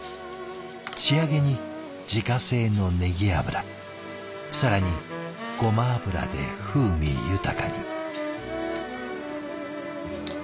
仕上げに自家製のネギ油更にゴマ油で風味豊かに。